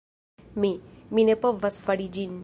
Mi... mi ne povas fari ĝin.